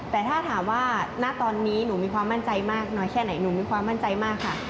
แต่ถ้าถามว่าณตอนนี้หนูมีความมั่นใจมากน้อยแค่ไหนหนูมีความมั่นใจมากค่ะ